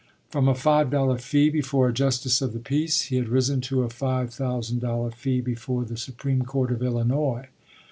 From a five dollar fee before a justice of the peace, he had risen to a five thousand dollar fee before the Supreme Court of Illinois.